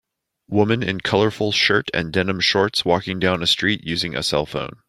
Woman in colorful shirt and denim shorts walking down a street using a cellphone.